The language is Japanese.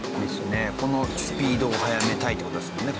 このスピードを速めたいって事ですもんね。